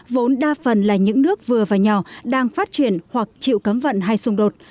vốn đa phần là những nước vừa và nhỏ đang phát triển hoặc chịu cấm vận hay xung đột